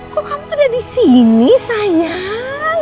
kok kamu ada disini sayang